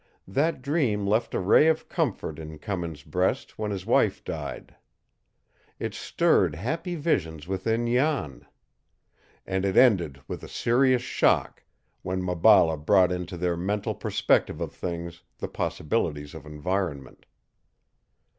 That dream left a ray of comfort in Cummins' breast when his wife died. It stirred happy visions within Jan. And it ended with a serious shock when Maballa brought into their mental perspective of things the possibilities of environment.